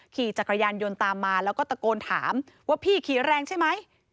ขี่จักรยานยนต์ตามมาแล้วก็ตะโกนถามว่าพี่ขี่แรงใช่ไหม